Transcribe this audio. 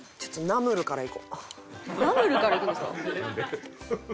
ナムルからいくんですか？